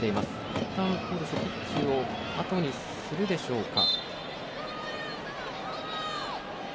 いったん、ピッチをあとにするでしょうか。